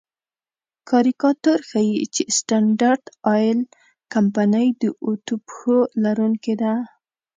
کاریکاتور ښيي چې سټنډرډ آیل کمپنۍ د اتو پښو لرونکې ده.